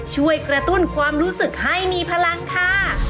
ช่วยกระตุ้นความรู้สึกให้มีพลังค่ะ